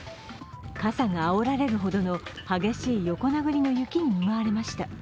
傘があおられるほどの激しい横殴りの雪に見舞われました。